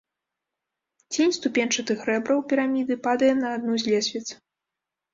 Цень ступеньчатых рэбраў піраміды падае на адну з лесвіц.